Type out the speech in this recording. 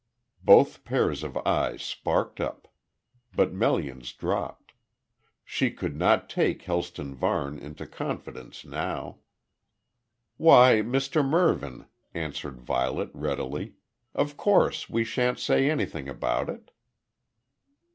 Both pairs of eyes sparked up. But Melian's dropped. She could not take Helston Varne into confidence now. "Why, Mr Mervyn," answered Violet, readily, "of course we shan't say anything about it."